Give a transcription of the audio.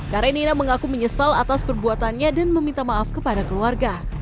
karenina mengaku menyesal atas perbuatannya dan meminta maaf kepada keluarga